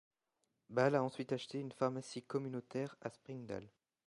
Ball a ensuite acheté une pharmacie communautaire à Springdale.